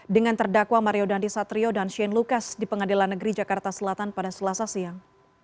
dengan terdakwa mario dandi satrio dan shane lucas di pengadilan negeri jakarta selatan pada selasa siang